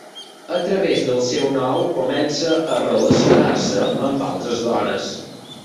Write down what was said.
A través del seu nou comença a relacionar-se amb altres dones.